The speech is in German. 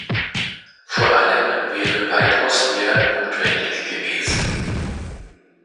Vor allem wäre weitaus mehr notwendig gewesen.